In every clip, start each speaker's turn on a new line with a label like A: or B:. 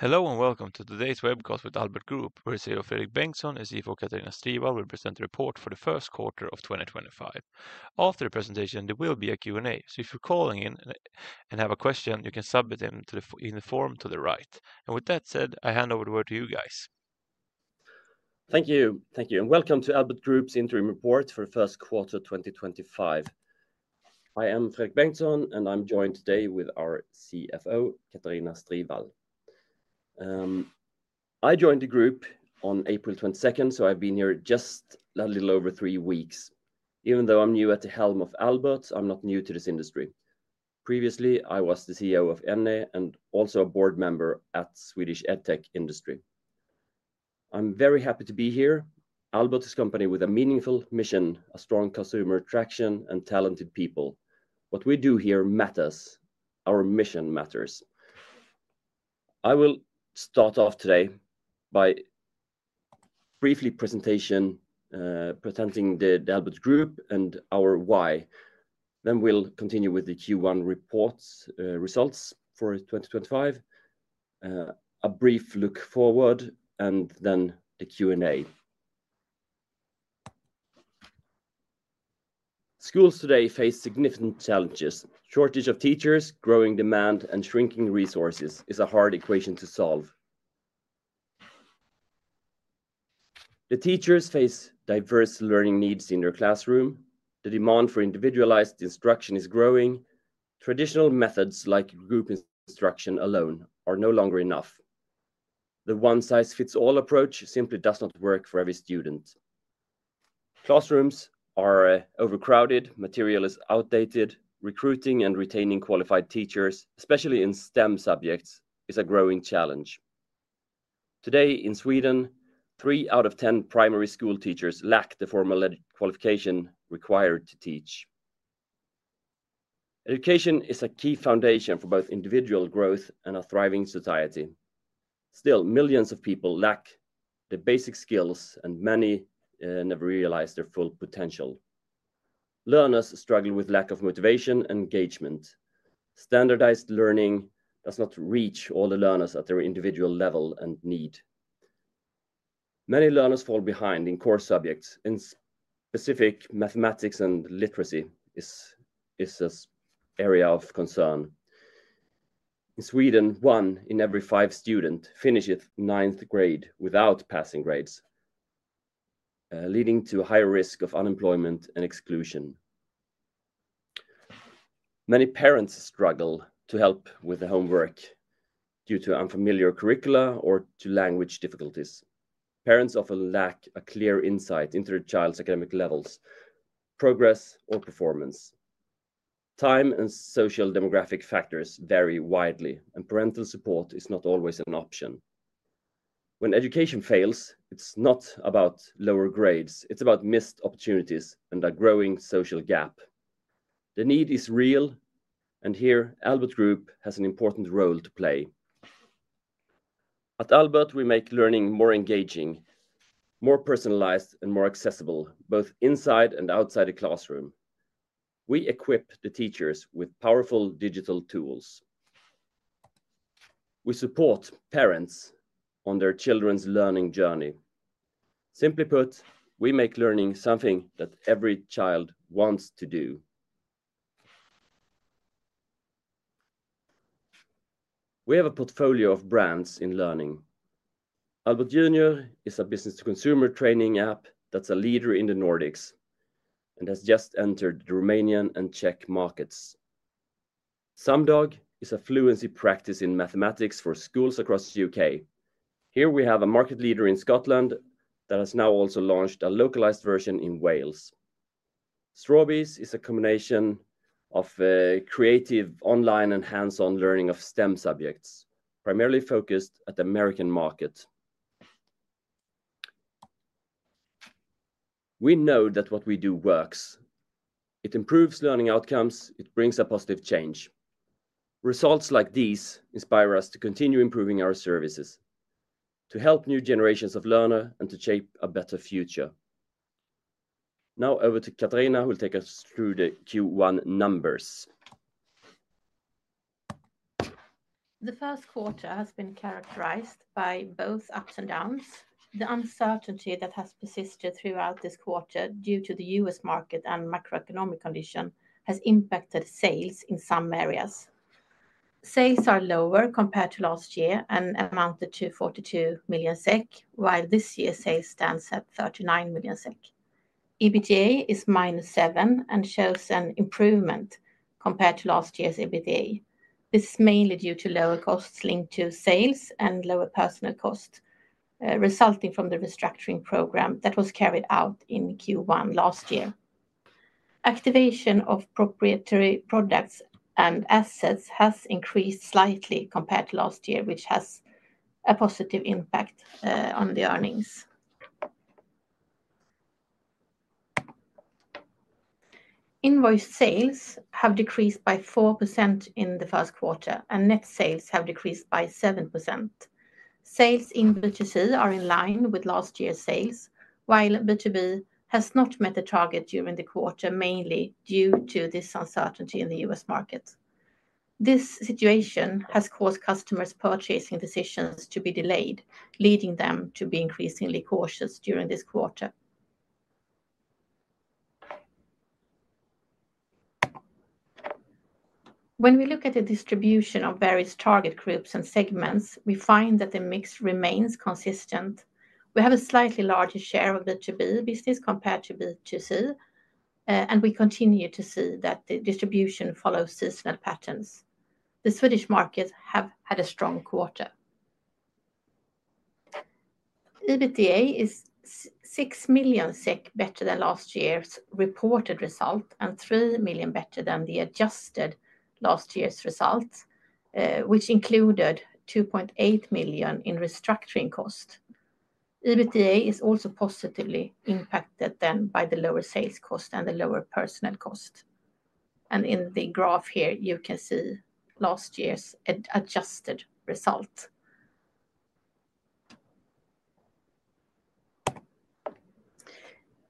A: Hello and welcome to today's webcast with Albert Group. We're here today with Frederik Bengtsson, as he for Katarina Strivall will present the report for the first quarter of 2025. After the presentation, there will be a Q&A, so if you're calling in and have a question, you can submit them in the form to the right. With that said, I hand over the word to you guys.
B: Thank you. Thank you. Welcome to Albert Group's interim report for the first quarter of 2025. I am Fredrik Bengtsson, and I'm joined today with our CFO, Katarina Strivall. I joined the group on April 22nd, so I've been here just a little over three weeks. Even though I'm new at the helm of Albert, I'm not new to this industry. Previously, I was the CEO of Enne and also a board member at Swedish EdTech Industry. I'm very happy to be here. Albert is a company with a meaningful mission, strong customer traction, and talented people. What we do here matters. Our mission matters. I will start off today by a brief presentation presenting the Albert Group and our why. We will continue with the Q1 results for 2025, a brief look forward, and then the Q&A. Schools today face significant challenges. Shortage of teachers, growing demand, and shrinking resources is a hard equation to solve. The teachers face diverse learning needs in their classroom. The demand for individualized instruction is growing. Traditional methods like group instruction alone are no longer enough. The one-size-fits-all approach simply does not work for every student. Classrooms are overcrowded, material is outdated, recruiting and retaining qualified teachers, especially in STEM subjects, is a growing challenge. Today in Sweden, three out of ten primary school teachers lack the formal qualification required to teach. Education is a key foundation for both individual growth and a thriving society. Still, millions of people lack the basic skills, and many never realize their full potential. Learners struggle with lack of motivation and engagement. Standardized learning does not reach all the learners at their individual level and need. Many learners fall behind in core subjects. In specific, mathematics and literacy is an area of concern. In Sweden, one in every five students finishes ninth grade without passing grades, leading to a high risk of unemployment and exclusion. Many parents struggle to help with the homework due to unfamiliar curricula or to language difficulties. Parents often lack a clear insight into their child's academic levels, progress, or performance. Time and social demographic factors vary widely, and parental support is not always an option. When education fails, it's not about lower grades. It's about missed opportunities and a growing social gap. The need is real, and here, Albert Group has an important role to play. At Albert, we make learning more engaging, more personalized, and more accessible, both inside and outside the classroom. We equip the teachers with powerful digital tools. We support parents on their children's learning journey. Simply put, we make learning something that every child wants to do. We have a portfolio of brands in learning. Albert Junior is a business-to-consumer training app that's a leader in the Nordics and has just entered the Romanian and Czech markets. Samdog is a fluency practice in mathematics for schools across the U.K. Here we have a market leader in Scotland that has now also launched a localized version in Wales. Strawberries is a combination of creative online and hands-on learning of STEM subjects, primarily focused at the American market. We know that what we do works. It improves learning outcomes. It brings a positive change. Results like these inspire us to continue improving our services, to help new generations of learners, and to shape a better future. Now over to Katarina, who will take us through the Q1 numbers.
C: The first quarter has been characterized by both ups and downs. The uncertainty that has persisted throughout this quarter due to the U.S. market and macroeconomic condition has impacted sales in some areas. Sales are lower compared to last year and amounted to 42 million SEK, while this year's sales stand at 39 million SEK. EBITDA is minus 7 and shows an improvement compared to last year's EBITDA. This is mainly due to lower costs linked to sales and lower personnel costs resulting from the restructuring program that was carried out in Q1 last year. Activation of proprietary products and assets has increased slightly compared to last year, which has a positive impact on the earnings. Invoice sales have decreased by 4% in the first quarter, and net sales have decreased by 7%. Sales in B2C are in line with last year's sales, while B2B has not met the target during the quarter, mainly due to this uncertainty in the U.S. market. This situation has caused customers' purchasing decisions to be delayed, leading them to be increasingly cautious during this quarter. When we look at the distribution of various target groups and segments, we find that the mix remains consistent. We have a slightly larger share of B2B business compared to B2C, and we continue to see that the distribution follows seasonal patterns. The Swedish market has had a strong quarter. EBITDA is 6 million SEK better than last year's reported result and 3 million better than the adjusted last year's results, which included 2.8 million in restructuring cost. EBITDA is also positively impacted then by the lower sales cost and the lower personnel cost. In the graph here, you can see last year's adjusted result.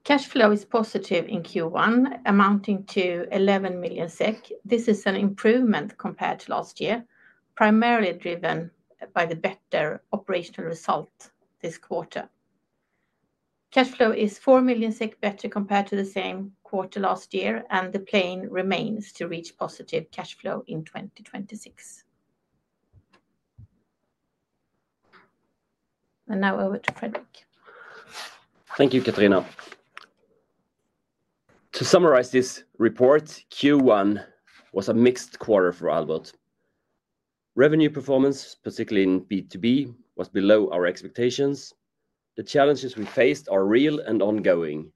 C: Cash flow is positive in Q1, amounting to 11 million SEK. This is an improvement compared to last year, primarily driven by the better operational result this quarter. Cash flow is 4 million better compared to the same quarter last year, and the plan remains to reach positive cash flow in 2026. Now over to Frederik.
B: Thank you, Katarina. To summarize this report, Q1 was a mixed quarter for Albert. Revenue performance, particularly in B2B, was below our expectations. The challenges we faced are real and ongoing,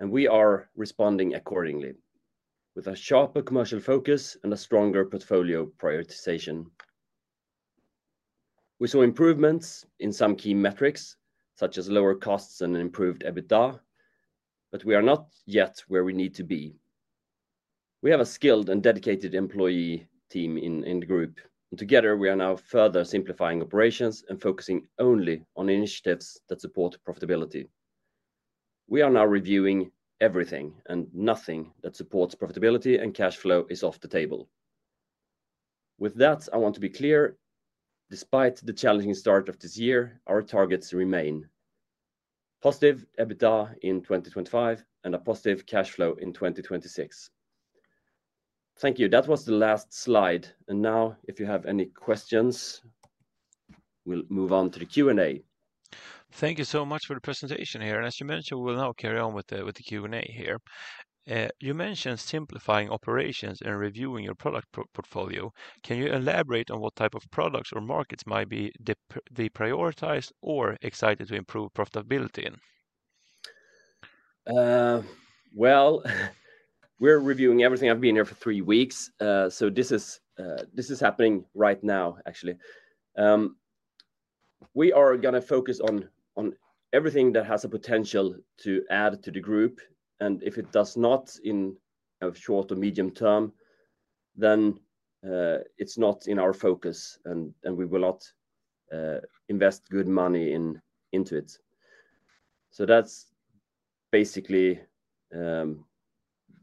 B: and we are responding accordingly with a sharper commercial focus and a stronger portfolio prioritization. We saw improvements in some key metrics, such as lower costs and an improved EBITDA, but we are not yet where we need to be. We have a skilled and dedicated employee team in the group, and together we are now further simplifying operations and focusing only on initiatives that support profitability. We are now reviewing everything, and nothing that supports profitability and cash flow is off the table. With that, I want to be clear, despite the challenging start of this year, our targets remain: positive EBITDA in 2025 and a positive cash flow in 2026. Thank you. That was the last slide. If you have any questions, we'll move on to the Q&A.
A: Thank you so much for the presentation here. As you mentioned, we will now carry on with the Q&A here. You mentioned simplifying operations and reviewing your product portfolio. Can you elaborate on what type of products or markets might be deprioritized or exited to improve profitability?
B: We're reviewing everything. I've been here for three weeks, so this is happening right now, actually. We are going to focus on everything that has a potential to add to the group, and if it does not in a short or medium term, then it's not in our focus, and we will not invest good money into it. That's basically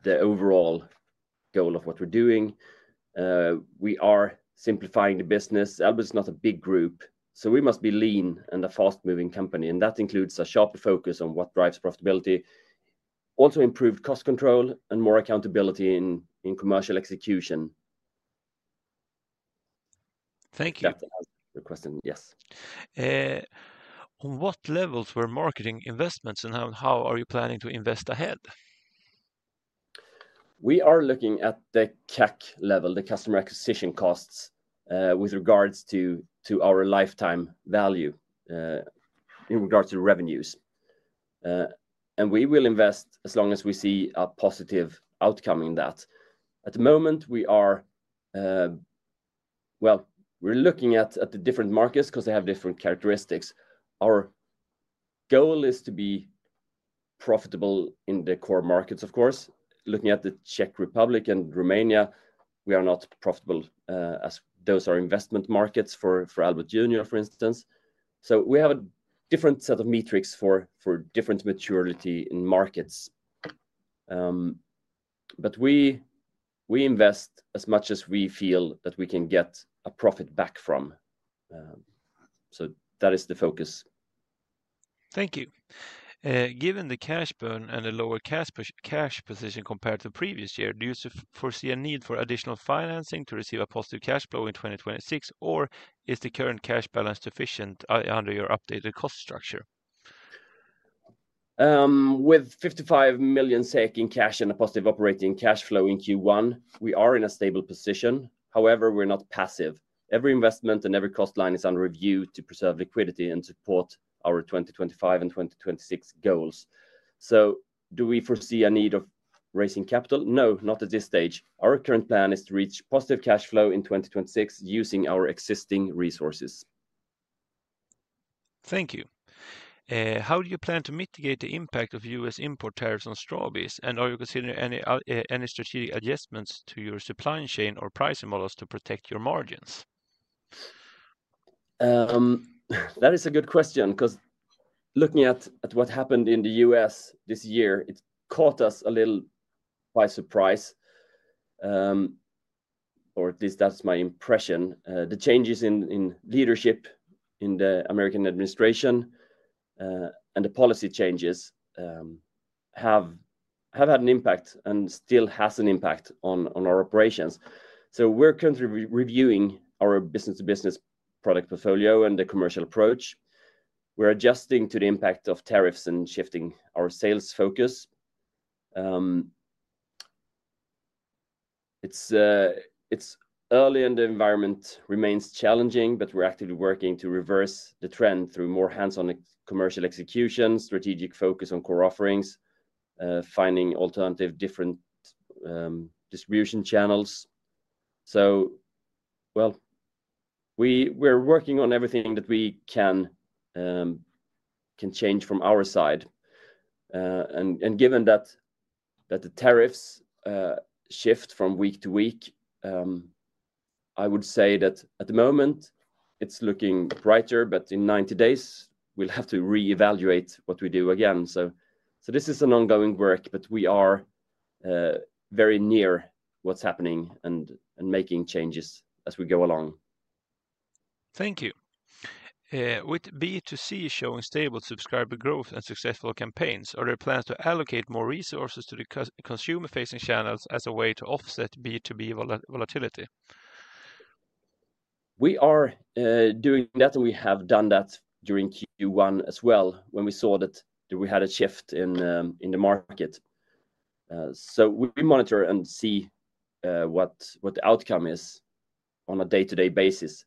B: the overall goal of what we're doing. We are simplifying the business. Albert is not a big group, so we must be lean and a fast-moving company. That includes a sharper focus on what drives profitability, also improved cost control, and more accountability in commercial execution.
A: Thank you.
B: That answers the question, yes.
A: On what levels were marketing investments, and how are you planning to invest ahead?
B: We are looking at the CAC level, the customer acquisition costs, with regards to our lifetime value, in regards to revenues. We will invest as long as we see a positive outcome in that. At the moment, we are looking at the different markets because they have different characteristics. Our goal is to be profitable in the core markets, of course. Looking at the Czech Republic and Romania, we are not profitable as those are investment markets for Albert Junior, for instance. We have a different set of metrics for different maturity in markets. We invest as much as we feel that we can get a profit back from. That is the focus.
A: Thank you. Given the cash burn and a lower cash position compared to the previous year, do you foresee a need for additional financing to receive a positive cash flow in 2026, or is the current cash balance sufficient under your updated cost structure?
B: With 55 million SEK in cash and a positive operating cash flow in Q1, we are in a stable position. However, we're not passive. Every investment and every cost line is under review to preserve liquidity and support our 2025 and 2026 goals. Do we foresee a need of raising capital? No, not at this stage. Our current plan is to reach positive cash flow in 2026 using our existing resources.
A: Thank you. How do you plan to mitigate the impact of U.S. import tariffs on Strawberries, and are you considering any strategic adjustments to your supply chain or pricing models to protect your margins?
B: That is a good question because looking at what happened in the U.S. this year, it caught us a little by surprise, or at least that's my impression. The changes in leadership in the American administration and the policy changes have had an impact and still have an impact on our operations. We are currently reviewing our business-business product portfolio and the commercial approach. We are adjusting to the impact of tariffs and shifting our sales focus. It is early, and the environment remains challenging, but we are actively working to reverse the trend through more hands-on commercial execution, strategic focus on core offerings, and finding alternative different distribution channels. We are working on everything that we can change from our side. Given that the tariffs shift from week to week, I would say that at the moment, it's looking brighter, but in 90 days, we'll have to reevaluate what we do again. This is an ongoing work, but we are very near what's happening and making changes as we go along.
A: Thank you. With B2C showing stable subscriber growth and successful campaigns, are there plans to allocate more resources to the consumer-facing channels as a way to offset B2B volatility?
B: We are doing that, and we have done that during Q1 as well when we saw that we had a shift in the market. We monitor and see what the outcome is on a day-to-day basis.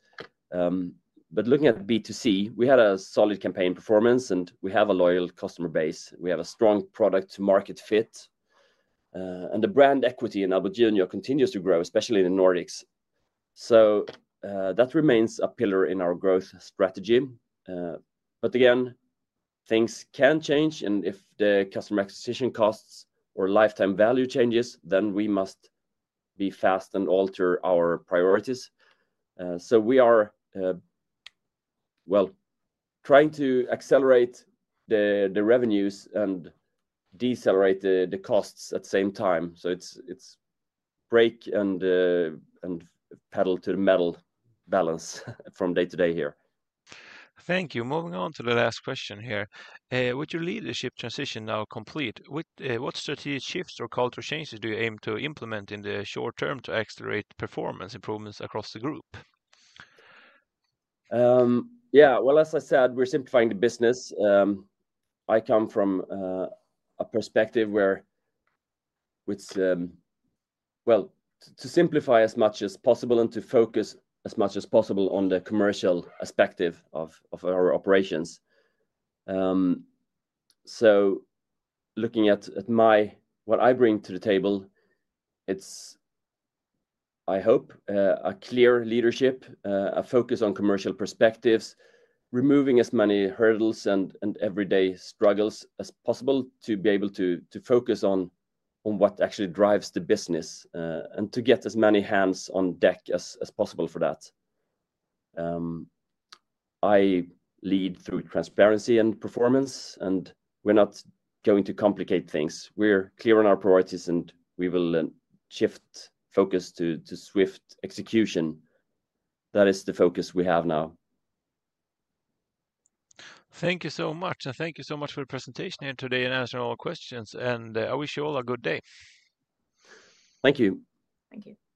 B: Looking at B2C, we had a solid campaign performance, and we have a loyal customer base. We have a strong product-to-market fit, and the brand equity in Albert Junior continues to grow, especially in the Nordics. That remains a pillar in our growth strategy. Again, things can change, and if the customer acquisition costs or lifetime value changes, then we must be fast and alter our priorities. We are, well, trying to accelerate the revenues and decelerate the costs at the same time. It is break and pedal to the metal balance from day to day here.
A: Thank you. Moving on to the last question here. With your leadership transition now complete, what strategic shifts or cultural changes do you aim to implement in the short term to accelerate performance improvements across the group?
B: Yeah, as I said, we're simplifying the business. I come from a perspective where, to simplify as much as possible and to focus as much as possible on the commercial aspect of our operations. So looking at what I bring to the table, it's, I hope, a clear leadership, a focus on commercial perspectives, removing as many hurdles and everyday struggles as possible to be able to focus on what actually drives the business and to get as many hands on deck as possible for that. I lead through transparency and performance, and we're not going to complicate things. We're clear on our priorities, and we will shift focus to swift execution. That is the focus we have now.
A: Thank you so much, and thank you so much for the presentation here today and answering all questions. I wish you all a good day.
B: Thank you.
C: Thank you.